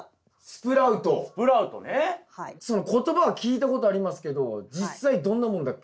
その言葉は聞いたことありますけど実際どんなもんだっけ？